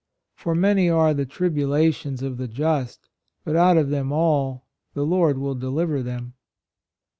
" For many are the tribulations of the just, but out of them all the Lord will deliver them."